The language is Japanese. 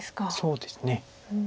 そうですね。